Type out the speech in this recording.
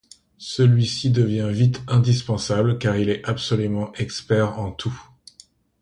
Celui-ci devient vite indispensable car il est absolument expert en tout.